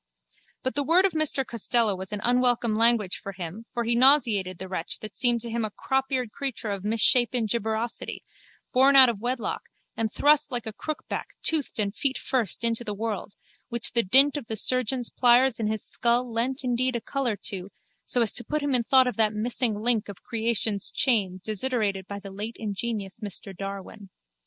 But the word of Mr Costello was an unwelcome language for him for he nauseated the wretch that seemed to him a cropeared creature of a misshapen gibbosity, born out of wedlock and thrust like a crookback toothed and feet first into the world, which the dint of the surgeon's pliers in his skull lent indeed a colour to, so as to put him in thought of that missing link of creation's chain desiderated by the late ingenious Mr Darwin.